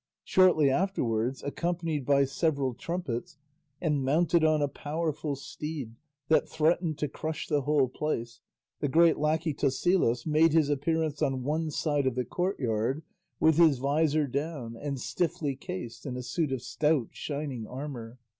Shortly afterwards, accompanied by several trumpets and mounted on a powerful steed that threatened to crush the whole place, the great lacquey Tosilos made his appearance on one side of the courtyard with his visor down and stiffly cased in a suit of stout shining armour.